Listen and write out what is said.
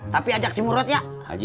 tapi ajak si murot ya